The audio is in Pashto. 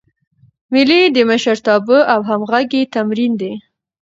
مېلې د مشرتابه او همږغۍ تمرین دئ.